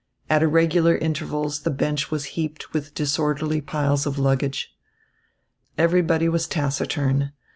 At irregular intervals the bench was heaped with disorderly piles of luggage. Everybody was taciturn.